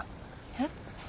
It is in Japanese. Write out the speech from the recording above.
えっ？